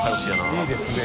いいですね。